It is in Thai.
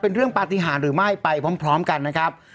เป็นเรื่องปฏิหารหรือไม่ไปพร้อมกันนะครับ